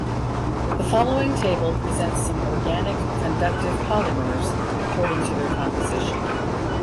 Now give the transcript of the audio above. The following table presents some organic conductive polymers according to their composition.